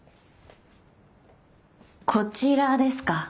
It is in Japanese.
こちらですか？